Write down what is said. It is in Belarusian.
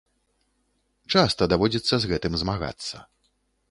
Часта даводзіцца з гэтым змагацца.